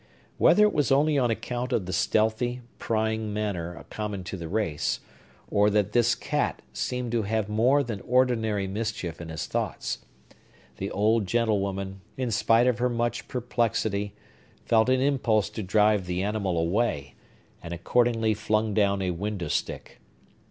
Whether it was only on account of the stealthy, prying manner common to the race, or that this cat seemed to have more than ordinary mischief in his thoughts, the old gentlewoman, in spite of her much perplexity, felt an impulse to drive the animal away, and accordingly flung down a window stick.